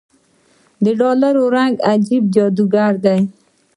دډالرو رنګ عجيبه جادوګر دی